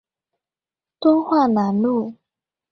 敦化南路